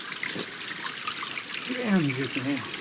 きれいな水ですね。